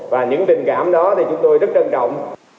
và những tình cảm đó thì chúng tôi rất trân trọng